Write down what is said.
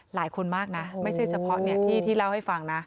หลายคนมากนะไม่ใช่เฉพาะที่เล่าให้ฟังนะ